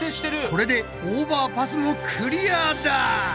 これでオーバーパスもクリアだ！